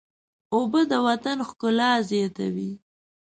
اوبه د وطن ښکلا زیاتوي.